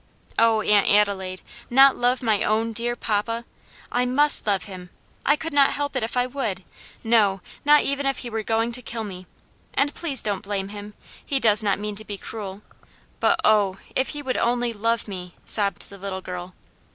"Oh, Aunt Adelaide! not love my own dear papa? I must love him! I could not help it if I would no, not even if he were going to kill me; and please don't blame him; he does not mean to be cruel. But oh! if he would only love me!" sobbed the little girl.